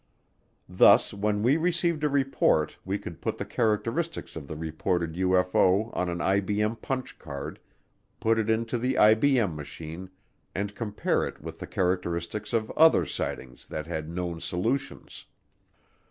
Thus when we received a report we could put the characteristics of the reported UFO on an IBM punch card, put it into the IBM machine, and compare it with the characteristics of other sightings that had known solutions.